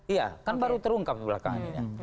iya kan baru terungkap belakangan ini ya